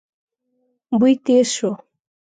بوی تېز شو.